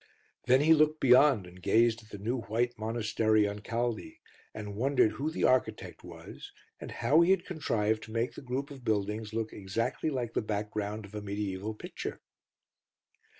Then he looked beyond and gazed at the new white monastery on Caldy, and wondered who the architect was, and how he had contrived to make the group of buildings look exactly like the background of a mediæval picture.